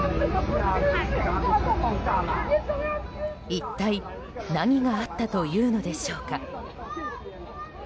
一体何があったというのでしょうか。